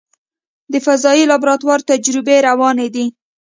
د فضایي لابراتوار تجربې روانې دي.